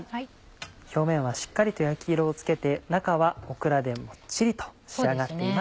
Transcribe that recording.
表面はしっかりと焼き色をつけて中はオクラでもっちりと仕上がっています。